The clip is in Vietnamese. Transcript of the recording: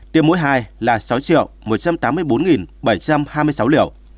tiêm mỗi hai là sáu một trăm tám mươi bốn bảy trăm hai mươi sáu liều